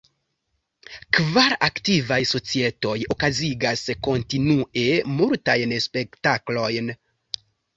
Kvar aktivaj societoj okazigas kontinue multajn spektaklojn.